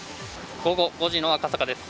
午後５時の赤坂です。